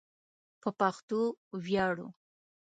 په پښتو ویاړو